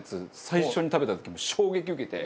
最初に食べた時もう衝撃受けて。